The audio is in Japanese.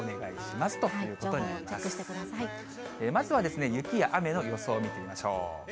まずは雪や雨の予想を見てみましょう。